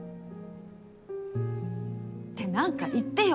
って何か言ってよ。